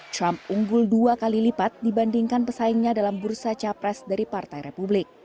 trump unggul dua kali lipat dibandingkan pesaingnya dalam bursa capres dari partai republik